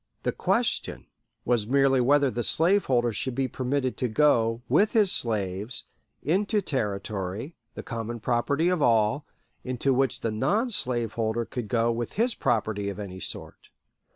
The question was merely whether the slaveholder should be permitted to go, with his slaves, into territory (the common property of all) into which the non slaveholder could go with his property of any sort.